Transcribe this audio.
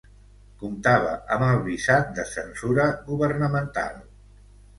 Comptava amb el visat de censura governamental.